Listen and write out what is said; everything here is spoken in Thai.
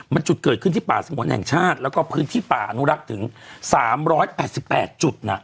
มันจุดเกิดขึ้นที่ป่าสงวนแห่งชาติแล้วก็พื้นที่ป่าอนุรักษ์ถึง๓๘๘จุดนะ